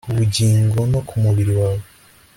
ku bugingo no ku mubiri wawe